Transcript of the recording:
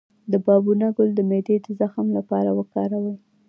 د بابونه ګل د معدې د زخم لپاره وکاروئ